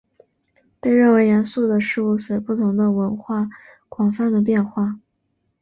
被认为严肃的事物随不同的文化广泛地变化。